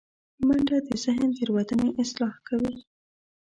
منډه د ذهن تیروتنې اصلاح کوي